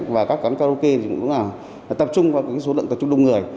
và các cán karaoke cũng là tập trung vào số lượng tập trung đông người